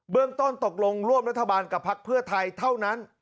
เรื่องต้นตกลงร่วมรัฐบาลกับพักเพื่อไทยเท่านั้น